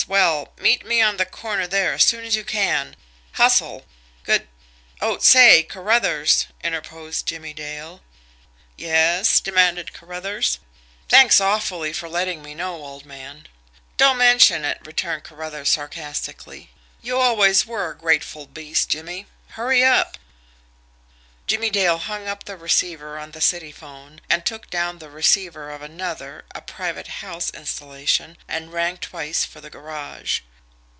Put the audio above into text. Well, meet me on the corner there as soon as you can. Hustle! Good " "Oh, I say, Carruthers!" interposed Jimmie Dale. "Yes?" demanded Carruthers. "Thanks awfully for letting me know, old man." "Don't mention it!" returned Carruthers sarcastically. "You always were a grateful beast, Jimmie. Hurry up!" Jimmie Dale hung up the receiver of the city 'phone, and took down the receiver of another, a private house installation, and rang twice for the garage.